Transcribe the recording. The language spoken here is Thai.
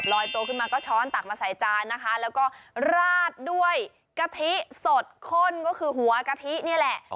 ตัวขึ้นมาก็ช้อนตักมาใส่จานนะคะแล้วก็ราดด้วยกะทิสดข้นก็คือหัวกะทินี่แหละ